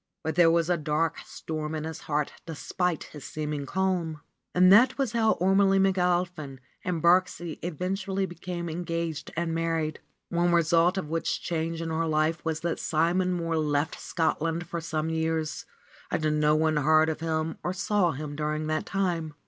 But there was a dark storm in his heart despite his seeming calm. And that was how Ormelie McAlpin and Birksie even tually became engaged and married, one result of which change in her life was that Simon Mohr left Scotland for some years and no one heard of him or saw him during that time.